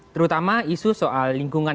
terutama isu soal lingkungan